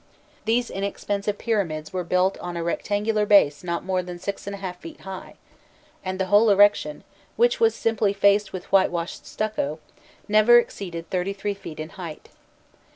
These inexpensive pyramids were built on a rectangular base not more than six and a half feet high; and the whole erection, which was simply faced with whitewashed stucco, never exceeded thirty three feet in height.